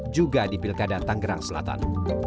juga di pilkada tanggerang selatan